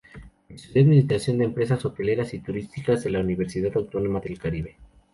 Estudió administración de empresas hoteleras y turísticas de la Universidad Autónoma del Caribe.